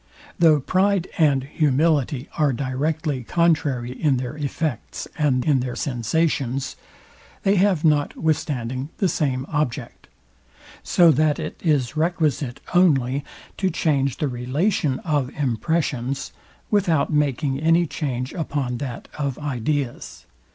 Though pride and humility are directly contrary in their effects, and in their sensations, they have notwithstanding the same object; so that it is requisite only to change the relation of impressions, without making any change upon that of ideas.